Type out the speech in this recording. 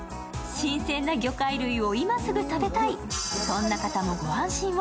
新鮮な魚介類を今すぐ食べたい、そんな方もご安心を。